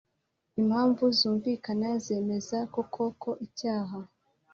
Impamvu zumvikana zemeza koko ko icyaha